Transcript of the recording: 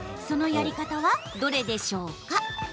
そのやり方はどれでしょうか？